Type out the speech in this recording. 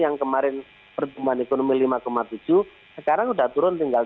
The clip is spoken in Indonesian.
yang kemarin pertumbuhan ekonomi lima tujuh sekarang sudah turun tinggal tiga